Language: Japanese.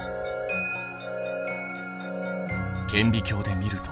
顕微鏡で見ると？